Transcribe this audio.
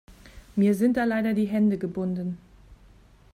Mir sind da leider die Hände gebunden.